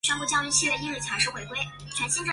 治所在西都县。